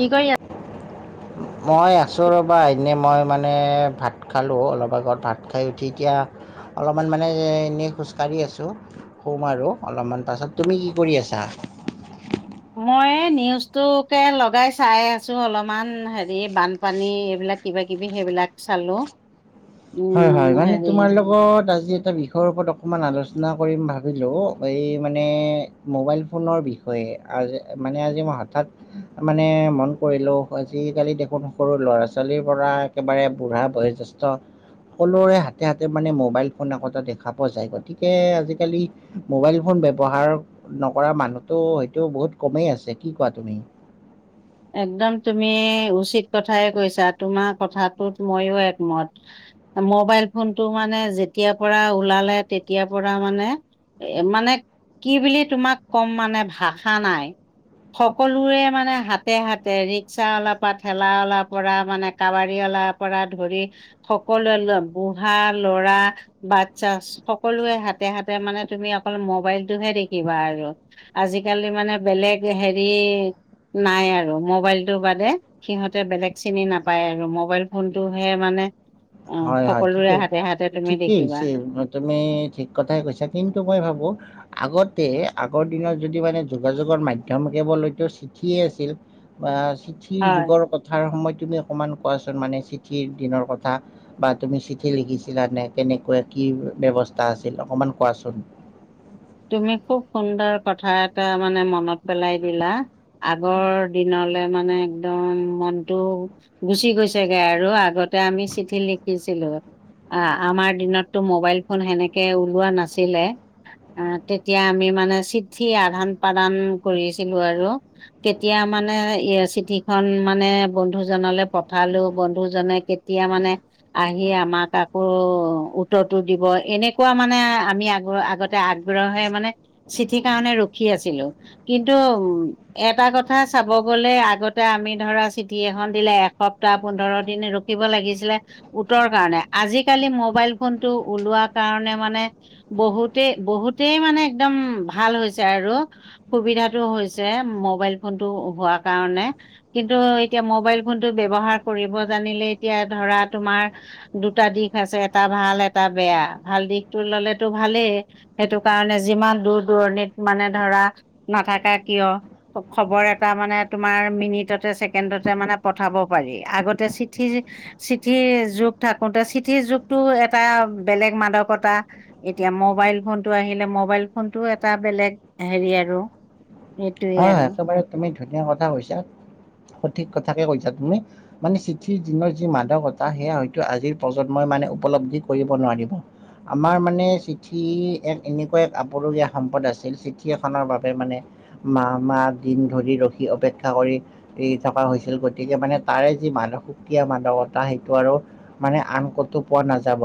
কি কৰি আ মই আছোঁ ৰ'বা এনে মই মানে মানে ভাত খালোঁ অলপ আগত ভাত খাই উঠি এতিয়া অলপমান মানে এই যে এনেই খোজকাঢ়ি আছোঁ। শুম আৰু অলপমান পাছত। তুমি কি কৰি আছা? মই নিউজটোকে লগাই চাই আছো অলপমান হেৰি বানপানী এইবিলাক কিবা কিবি সেইবিলাক চালো। হয় হয় উম মানে হেৰি তোমাৰ লগত আজি এটা বিষয় তোৰ ওপৰত অকণমান আলোচনা কৰিম ভাবিলোঁ এই মানে মোবাইল ফোনৰ বিষ হয় আজ মানে আজি মই হঠাৎ উমহু হু মানে মন কৰিলো আজিকালি দেখোন সৰু ল'ৰা-ছোৱালীৰ পৰা একেবাৰে বুঢ়া বয়োজ্যেষ্ঠ। সকলোৰে হাতে হাতে মানে মোবাইল ফোন আগতে দেখা পোৱা যায় গতিকে আজিকালি মোবাইল ফোন ব্যৱহাৰ নকৰা মানুহটো হয়তো বহুত কমেই আছে। কি কোৱা তুমি? একদম তুমি উচিত কথাই কৈছা তোমাৰ কথাটোত মইয়ো একমত। মোবাইল ফোনটো মানে যেতিয়াৰ পৰা ওলালে তেতিয়াৰ পৰা মানে এ মানে কি বুলি তোমাক কম মানে ভাষা নাই। সকলোৱে মানে হাত তে হাতে ৰিক্সা অলাৰ পৰা ঠেলা অলাৰ পৰা মানে কাবাৰী অলাৰ পৰা ধৰি সকলোৱে লয় বুঢ়া, লৰা আহ্ বাচ্চা সিস সকলোৰে হাতে হাতে মানে তুমি অকল মোবাইলটোহে দেখিবা আৰু আজিকালি মানে বেলেগ হেৰি নাই আৰু আৰু মোবাইলটোৰ বাদে সিহঁতে বেলেগ চিনি নাপায় আৰু মোবাইল ফোনটোহে মানে অ অ হয় হয় সকলোৰে ঠিকেই হাতে হাতে তুমি ঠিকেই দেখিবা। হৈছে তুমি ঠিক কথাই কৈছা কিন্তু মই ভাবো। আগতে আগৰ দিনত যদি মানে যোগাযোগৰ মাধ্যম কেৱলেতো চিঠিয়েই আছিল। বা চিঠিৰ হয় যুগৰ কথাৰ সময় তুমি অকমান কোৱাচোন মানে চিঠিৰ দিনৰ কথা বা তুমি চিঠি লিখিছিলা নে কেনেকুৱা কি ব্যৱস্থা আছিল অকমান কোৱাচোন। তুমি খুব সুন্দৰ কথা এটা মানে মনত পেলাই দিলা। আগৰ দিনলে মানে একদম মনটো গুচি গৈছেগে আৰু আগতে আমি চিঠি লিখিছিলোঁ। আ আমাৰ দিনততো মোবাইল ফোন সেনেকে ওলোৱা নাছিলে। আ আ তেতিয়া আমি মানে চিঠি আদান-প্ৰদান কৰি আছিলো আৰু আ কেতিয়া মানে চিঠি খন মানে বন্ধু জনলৈ পঠালো বন্ধু জনে কেত এতিয়া মানে আহি আমাক আকৌ উত্তৰটো দিব এনেকুৱা মানে আমি আগৰ আগত তে আগ্ৰহে মানে চিঠিৰ কাৰণে ৰখি আছিলোঁ কিন্তু উম এটা কথা চাব গলে আগতে আমি ধৰা চিঠি এখন দিলে এসপ্তাহ পোন্ধৰ দিন ৰো ৰখিব লাগিছিলে। উত্তৰ কাৰণে আজিকালি মোবাইল ফোন টো ওলোৱা কাৰণে মানে বহুত তে বহুতেই মানে একদম ভাল হৈছে আৰু। সুবিধাটো হৈছে মোবাইল ফোনটো হোৱা কাৰণে। কিন্তু এতিয়া মোবাইল ফোনটো ব্যৱহাৰ কৰিব জানিলে এতিয়া ধৰা তোমাৰ দুটা দিশ আছে এটা ভাল এটা বেয়া ভাল দিশটো ললেতো ভালে। সেইটো কাৰণে যিমান দূৰ- দূৰণিত মানে ধৰা নাথাকা কিয় খব -খবৰ এটা মানে তোমাৰ মিনিটতে ছেকেণ্ডতে মানে পঠাব পাৰি আগতে চিঠি চিঠিৰ যুগ থাকোতে চিঠিৰ যুগতো এটা বেলেগ মাদকতা এতিয়া মবাইল ফোনটো আহিলে মবাইল ফোনটো এটা বেলেগ হেৰি আৰু এইটোৱে হয় আৰু। একেবাৰে তুমি ধুনীয়া কথা কৈছা সঠিক কথাকে কৈছা তুমি। মানে চিঠিৰ দিনৰ যি মাদকতা সেয়া হয়তো আজিৰ প্ৰজন্মই মানে উপলব্ধি কৰিব নোৱাৰিব। আমাৰ মানে চিঠি এক এনেকুৱা এক আপুৰুগীয়া সম্পদ আছিল চিঠি এখনৰ বাবে মানে মাহ -মাহ দিন ধৰি ৰখি অপেক্ষা কৰি এই থকা হৈছিল গতিকে মানে তাৰে যি মান সুকীয়া মাদকতা সেইটো আৰু মানে আন ক'তো পোৱা নাযাব।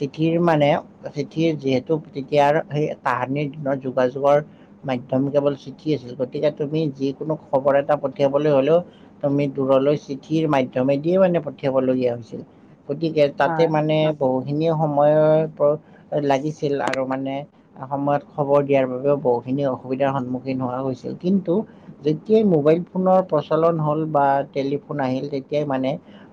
চিঠিৰ মানে চিঠিৰ যিহেতু তেতিয়াৰ সেই তাহানিৰ দিনৰ যোগাযোগৰ মাধ্যম কেৱল চিঠি আছিল গতিকে তুমি যিকোনো খবৰ এটা পঠিয়াবলে হ'লেও তুমি দূৰলৈ চিঠিৰ মাধ্যমে দিও এনে পঠিয়াব লগীয়া হৈছিল গতিকে তাতে হয় মানে বহুখিনিয়ে সময়ৰ পৰ লাগিছিল আৰু মানে আহা সময়ত খবৰ দিয়াৰ বাবেও বহুখিনি অসুবিধাৰ সন্মুখীন হোৱা গৈছিল কিন্তু যেতিয়াই মোবাইল ফোনৰ প্ৰচলন হ'ল বা টেলিফোন আহিল তেতিয়াই মানে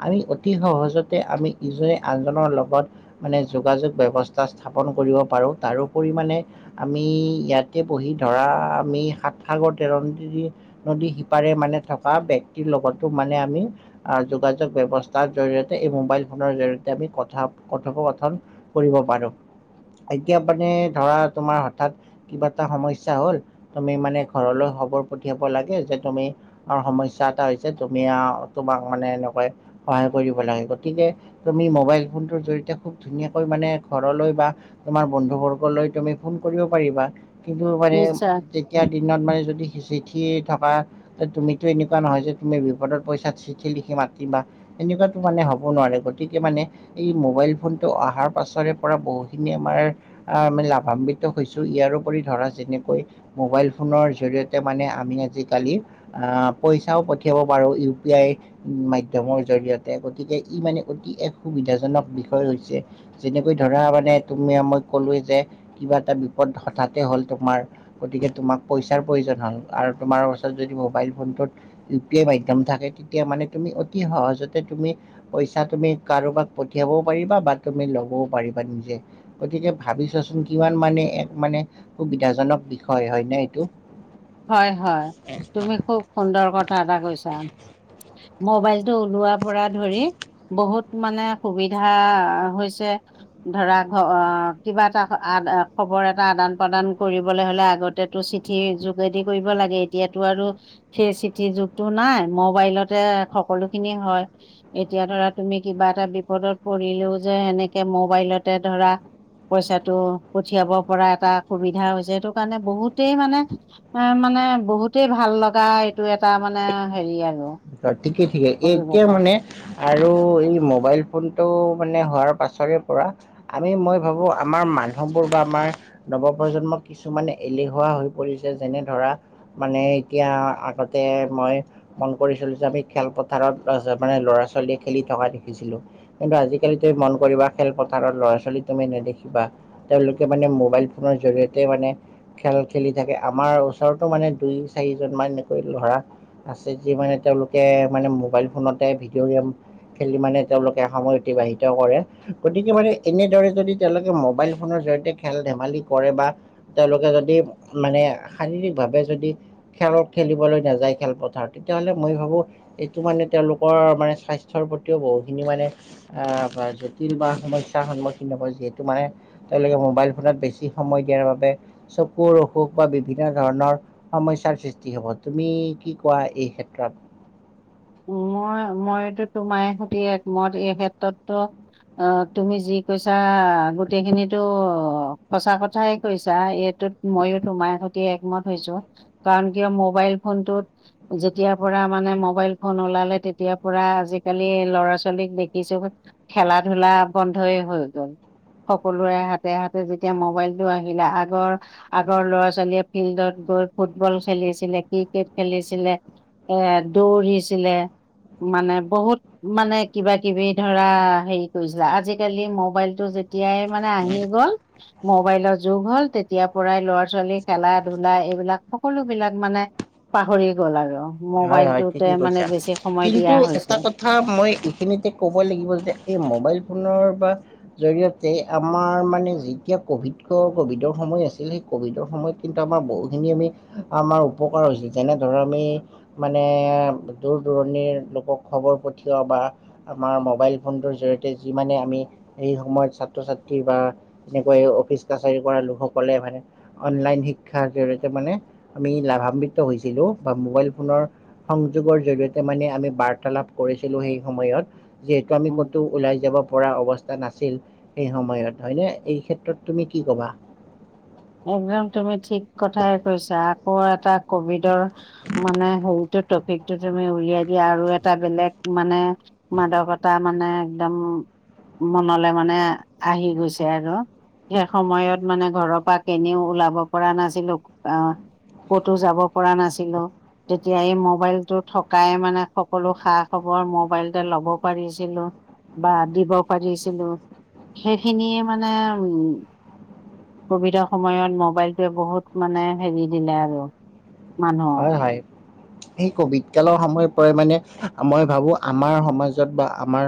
আমি অতি সহজতে আমি ইজনে আনজনৰ লগত মানে যোগাযোগ ব্যৱস্থা স্থাপন কৰিব পাৰো তাৰোওপৰি মানে আমি ইয়াতে বহি ধৰা আমি সাত সাগৰ তেৰ নদী দি নদী শিপাৰে মানে থকা ব্যক্তিৰ লগতো মানে আমি আহ, যোগাযোগ ব্যৱস্থাৰ জৰিয়তে এই মোবাইল ফোনৰ জৰিয়তে আমি কথা কথোপকথন কৰিব পাৰো এতিয়া মানে ধৰা তোমাৰ হঠাৎ কিবা এটা সমস্যা হল তুমি মানে ঘৰলৈ হবৰ পঠিয়াব লাগে যে তুমি অহ, সমস্যা এটা হৈছে তুমি আও তোমাক মানে এনেকৈ সহায় কৰিব লাগে গতিকে তুমি মোবাইল ফোনটোৰ জৰি়তে খুব ধুনীয়াকৈ মানে ঘৰলৈ বা তোমাৰ বন্ধু বৰ্গলৈ তুমি ফোন কৰিব পাৰিবা কিন্তু মানে নিশ্চয় তেতিয়া দিনত মানে যদি হে চিঠিয়ে থকা তে তুমিতো এনেকুৱা নহয় যে তুমি বিপদত পইচাত চিঠি লিখি মাতিবা। এনেকুৱাতো মানে হ'ব নোৱাৰে গতিকে মানে এই মোবাইল ফোন টো আহাৰ পাছৰে পৰা বহুখিনি আমাৰ আহ, আমি লাভান্বিত হৈছো ইয়াৰ ওপৰি ধৰা যেনেকৈ মোবাইল ফোনৰ জৰিয়তে মানে আমি আজিকালি আহ, পইচাও পঠিয়াব পাৰো ইউ পি আই উম, মাধ্যমৰ জৰিয়তে গতিকে ই মানে অতি এক সুবিধাজনক বিষয় হৈছে। যেনেকৈ ধৰা মানে তুমি মই কলোৱে যে কিবা এটা বিপদ হঠাতে হল তোমাৰ? গতিকে তোমাক পইচাৰ প্ৰয়োজন হ'ল আৰু তোমাৰ ওচৰত যদি মোবাইল ফোনটোত থা ইউ পি আই মাধ্যম থাকে তেতিয়া মানে তুমি অতি সহজতে তুমি পইচা তুমি কাৰোবাক পঠিয়াবও পাৰিবা বা তুমি ল'বও পাৰিবা নিজে। গতিকে ভাবিছোৱাচোন কিমান মানে এক মানে সুবিধাজনক বিষ হয় হয়নে এইটো? হয় হয় তুমি খুব সুন্দৰ কথা এটা কৈছা। মোবাইলটো ওলোৱাৰ পৰা ধৰি বহুত মানে সুবিধা হৈছে। ধৰা ঘ কিবা এটা আ খবৰ এটা আদান- প্ৰদান কৰিবলৈ হলে আগত তেটো চিঠি যোগেদি কৰিব লাগে এতিয়াতো আৰু সেই চিঠি যুগতো নাই, মোবাইলতে সকলোখিনি হয়। এতিয়া ধৰা তুমি কিবা এটা বিপদত পৰিলেও যে সেনেকে মোবাইলতে ধৰা পইচাটো পঠিয়াব পৰা এটা সুবিধা হৈছে সেইটো কাৰণে বহুতেই মানে এ মানে বহুতেই ভাল লগা এইটো এটা মানে হেৰি আৰু হয় ঠিকেই ঠিকে এই এতিয়া অভিজ্ঞতা মানে আৰু এই মোবাইল ফোনটো মানে হোৱাৰ পাছৰে পৰা আমি মই ভাবো আমাৰ মানুহবোৰ বা আমাৰ নৱপ্ৰজন্ম কিছুমান এলেহুৱা হৈ পৰিছে যেনে ধৰা মানে এতিয়া আগতে মই পৰিচালিত আমি খেলপথাৰত তচে মানে ল'ৰা- ছোৱালীয়ে খেলি থকা দেখিছিলো। কিন্তু আজিকালি তুমি মন কৰিবা খেলপথাৰত ল'ৰা - ছোৱালী তুমি নেদেখিবা। তেওঁলোকে মানে মোবাইল ফোনৰ জৰিয়তে মানে খেল খেলি থাকে, আমাৰ ওচৰতো মানে দুই- চাৰিজন মান এনেকৈ লৰা আছে যি মানে তেওঁলোকে মানে মোবাইল ফোনতে ভিডিঅ' গেম খেলি মানে তেওঁলোকে সময় অতিবাহিত কৰে গতিকে মানে এনেদৰে যদি তেওঁলোকে মোবাইল ফোনৰ জৰিয়তে খেল ধেমালি কৰে বা তেওঁলোকে যদি মানে শাৰীৰিক ভাৱে যদি খেলত খেলিবলৈ নাযায় খেলপথাৰত তেতিয়াহলে মই ভাবো এইটো মানে তেওঁলোকৰ মানে স্বাস্থ্যৰ প্ৰতিও বহুখিনি মানে আহ বা জটিল বা সমস্যাৰ সন্মুখীন হব যিহেতু মানে তেওঁলোকে মোবাইল ফোনত বেছি সময় দিয়াৰ বাবে চকুৰ অসুখ বা বিভিন্ন ধৰণৰ সমস্যাৰ সৃষ্টি হব তুমি কি কোৱা এই ক্ষেত্ৰত? মই মইতো তোমাৰ সৈতে একমত এই ক্ষেত্ৰততো অ তুমি যি কৈছা গোটেইখিনিতো সঁচা কথাই কৈছা এইটোত ময়ো তোমাৰ সৈতে একমত হৈছো কাৰণ কিয় মোবাইল ফোনটোত যেতিয়াৰ পৰা মানে মোবাইল ফোন ওলালে তেতিয়াৰ পৰা আজিকালি ল'ৰা - ছোৱালীক দেখিছো খেলা - ধূলা বন্ধই হৈ গ'ল। সকলোৰে হাতে হাতে যেতিয়া মবাইলটো আহিলে আগৰ আগৰ ল'ৰা - ছোৱালীয়ে ফিল্ডত গৈ ফুটবল খেলিছিলে, ক্ৰিকেট খেলিছিলে এ দৌৰিছিলে মানে বহুত মানে কিবা- কিবি ধৰা হেৰি কৰিছিলা, আজিকালি মোবাইলটো যে তিয়াই মানে আহি গ'ল মবাইলৰ যুগ হ'ল তেতিয়াৰ পৰাই ল'ৰা- ছোৱালী খেলা - ধূলা এইবিলাক সকলোবিলাক মানে পাহৰি গ'ল আৰু হয় হয় মোবাইলটোতে ঠিকেই কৈছা। মানে বেছি সময় কিন্তু দিয়া হৈছে এটা ক থা মই এইখিনিতে ক'ব লাগিব যে এই মোবাইল ফোনৰ বা জৰিয়তে আমাৰ মানে যেতিয়া কভিড কভিডৰ সময় আছিল সেই কভিডৰ সময়ত কিন্তু আমাৰ বহুখিনি আমি আমাৰ উপকাৰ হৈছে যেনেধৰ আমি। মানে দূৰ দূৰণিৰ লোকক খবৰ পঠিয়াও বা, আমাৰ মোবাইল ফোনটোৰ জৰিয়তে যিমানে আমি এই সময়ত ছাত্ৰ ছাত্ৰী বা, এনেকৈ অফিচ কাছাৰী কৰা লোকসকলে মানে। অনলাইন শিক্ষাৰ জৰিয়তে মানে আমি লাভান্বিত হৈছিলো বা মোবাইল ফোনৰ সংযোগৰ জৰিয়তে মানে আমি বাৰ্তালাপ কৰিছিলো সেই সময়ত। যিহেতু আমি উম কতো ওলাই যাব পৰা অৱস টা নাছিল, সেই সময়ত হয়নে এই ক্ষেত্ৰত তুমি কি ক'বা? একদম তুমি ঠিক কথাই কৈছা আকৌ এটা কভিডৰ, মানে সৰুতে ট্ৰফিকটো তুমি উলিয়াই দিয়া আৰু এটা বেলেগ মানে। মাদকতা মানে একদম। মনলে মানে আহি গৈছে আৰু সেই সময়ত মানে ঘৰৰ পৰা। কেনিও ওলাব পৰা নাছিলো অ ক'তো যাব পৰা নাছিলো। তেতিয়া এই মোবাইলটো থকাই মানে সকলো খা‌ খবৰ মোবাইলতে ল'ব পাৰিছিলো। বা দিব পাৰিছিলো সেইখিনিয়ে মানে উম। কভিড, সময়ত মোবাইলটোৱে বহুত মানে হেৰি দিলে আৰু মানুহক। হয় হয়। সেই কভিড কালৰ সময় পৰা মানে মই ভাবো আমাৰ সমাজত বা আমাৰ,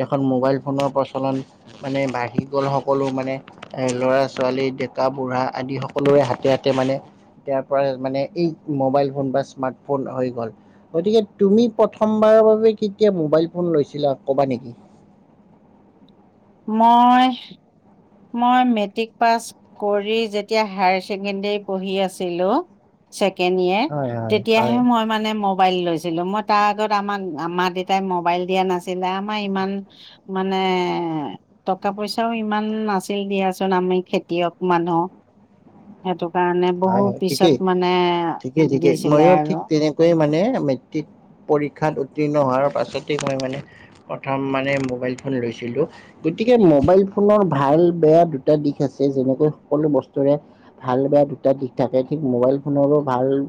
দেশত মোবাইল ফোনৰ প্ৰচলন মানে বাঢ়ি গ'ল সকলো মানে। এ ল'ৰা ছোৱালী ডেকা বুঢ়া আদি সকলোৰে হাতে হাতে মানে। তেতিয়া পৰা মানে এই মোবাইল ফোন বা স্মাৰ্ট ফোন হৈ গ'ল। গতিকে তুমি প্ৰথমবাৰৰ বাবে কেতিয়া মোবাইল ফোন লৈছিলা ক'বা নেকি। মই, মই মেট্ৰিক পাছ কৰি যেতিয়া হায়াৰ ছেকেণ্ডৰী পঢ়ি আছিলোঁ। ছেকেণ্ড ইয়েৰ হয়, হয়, তেতিয়াহে হয়, মই মানে ম, মোবাইল লৈছিলো মই তাৰ আগত আমাক মা দেতাই মোবাইল দিয়া নাছিলে আমাৰ ইমান, মানে টকা পইচাও ইমান না, ছিল দিয়াচোন আমি খেতিয়ক মানুহ। সেইটো কাৰণে হয়, বহু হয় ঠিকেই। পিছত মানে দিছিলে আৰু কৈ মানে মেট্ৰিক পৰীক্ষাত উত্তীৰ্ণ হোৱাৰ পাছতে মই মানে। প্ৰথম মানে মোবাইল ফোন লৈছিলোঁ। গতিকে মোবাইল ফোনৰ ভাল বেয়া দুটা দিশ আছে যেনেকৈ সকলো বস্তুৰে। ভাল বেয়া দুটা দিশ থাকে ঠিক মোবাইল ফোনৰো ভাল।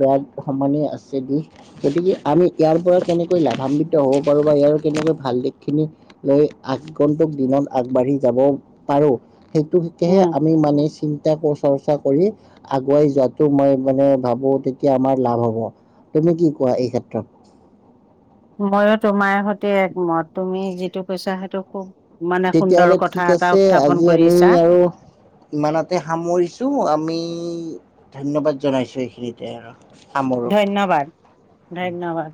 বেয়া সমানেই আছে দিশ। গতিকে আমি ইয়াৰ পৰা কেনেকৈ লাভান্বিত হ'ব পাৰো বা ইয়াৰ কেনেকৈ ভাল দিশখিনি। লৈ আগন্তুক দিনত আগবাঢ়ি যাব পাৰো। সেইটোকেহে উম আমি মানে চিন্তা চৰ্চা কৰি। আগুৱাই যোৱাটো মই মানে ভাবো তেতিয়া আমাৰ লাভ হব তুমি কি কোৱা এই ক্ষেত্ৰত। ময়ো তোমাৰ সৈতে একমত তুমি যিটো কৈছা সেইটো খুব। মানে সুন্দৰ তেতিয়াহলে কথা ঠিক এটা আছে উত্থাপন আজি আমি কৰিছা আৰু ইমানতে সামৰিছো আমি ধন্যবাদ জনাইছো এইখিনিতে আৰু সামৰো। ধন্যবাদ ধন্যবাদ।